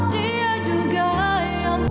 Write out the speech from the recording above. dia juga yang